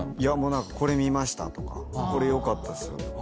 何か「これ見ました」とか「これ良かったっすよ」とか。